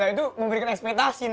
itu memberikan ekspetasi nga